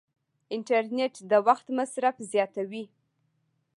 انټرنیټ د وخت مصرف زیاتوي.